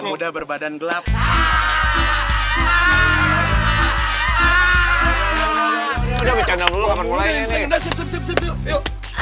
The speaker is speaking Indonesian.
udah siap siap kan